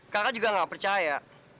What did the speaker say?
kakak juga gak percaya